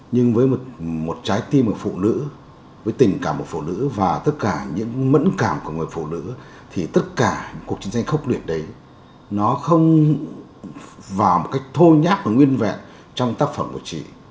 nhưng với một trái tim của phụ nữ với tình cảm của phụ nữ và tất cả những mẫn cảm của người phụ nữ thì tất cả cuộc chiến tranh khốc liệt đấy nó không vào một cách thô nhát và nguyên vẹn trong tác phẩm của chị